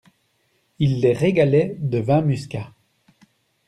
Il les régalait de vin muscat.